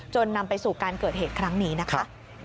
นำไปสู่การเกิดเหตุครั้งนี้นะคะ